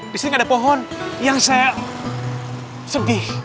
disini gak ada pohon yang saya sedih